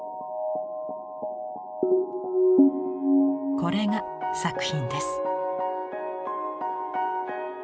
これが作品です。